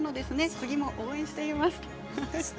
次も応援しています。